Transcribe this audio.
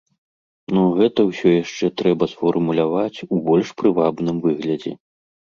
Ну гэта ўсё яшчэ трэба сфармуляваць у больш прывабным выглядзе.